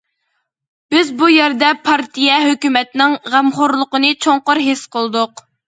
بىز بۇ يەردە پارتىيە، ھۆكۈمەتنىڭ غەمخورلۇقىنى چوڭقۇر ھېس قىلدۇق.